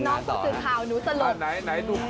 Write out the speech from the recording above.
กลัวน้องสุดสืบขาวหนูสลบ